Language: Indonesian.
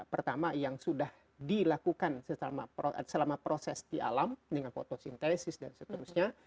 pertama yang sudah dilakukan selama proses di alam dengan fotosintesis dan seterusnya